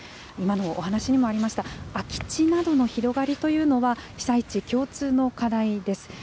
今のお話にもありました、空き地などの広がりというのは、被災地共通の課題です。